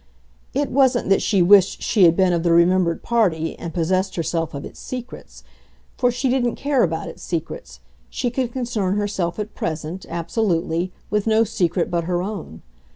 It wasn't that she wished she had been of the remembered party and possessed herself of its secrets; for she didn't care about its secrets she could concern herself at present, absolutely, with no secret but her own.